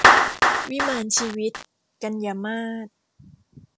วิมานชีวิต - กันยามาส